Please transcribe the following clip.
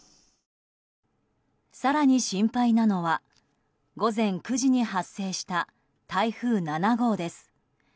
更に心配なのは午前９時に発生した台風７号です。